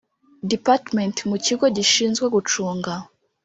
Department mu kigo gishinzwe gucunga